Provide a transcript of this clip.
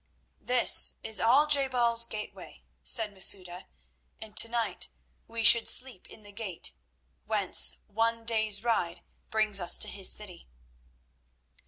"This is Al je bal's gateway," said Masouda, "and tonight we should sleep in the gate, whence one day's ride brings us to his city."